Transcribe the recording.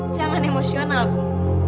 jangan emosional bu